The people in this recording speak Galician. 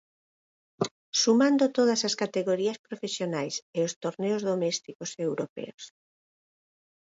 Sumando todas as categorías profesionais e os torneos domésticos e europeos.